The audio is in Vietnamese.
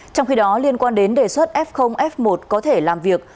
trong khi đó liên quan đến đề xuất f f một có thể làm việc